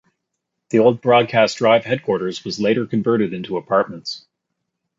The old Broadcast Drive headquarters was later converted into apartments.